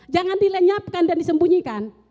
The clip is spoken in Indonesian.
jangan dilenyapkan dan disembunyikan